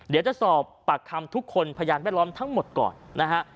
เดี๋ยวจะสอบปากคำทุกคนพยานแวดล้อมทั้งหมดก่อนนะฮะ